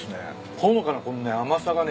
ほのかなこのね甘さがね